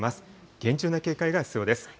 厳重な警戒が必要です。